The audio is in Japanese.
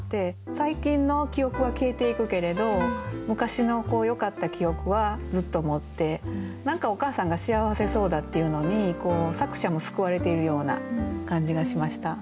最近の記憶は消えていくけれど昔のよかった記憶はずっと持って何かお母さんが幸せそうだっていうのに作者も救われているような感じがしました。